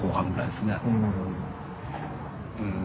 うん。